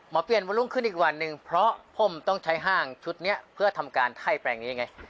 เปลี่ยนวันรุ่งขึ้นอีกวันหนึ่งเพราะผมต้องใช้ห้างชุดนี้เพื่อทำการไถ่แปลงนี้ไง